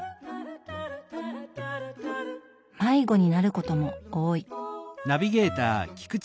迷子になることも多い。